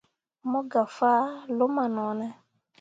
Mo gah fah luma no ne.